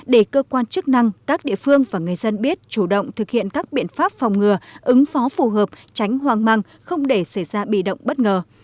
để cơ quan chức năng các địa phương và người dân biết chủ động thực hiện các biện pháp phòng ngừa ứng phó phù hợp tránh hoang măng không để xảy ra bị động bất ngờ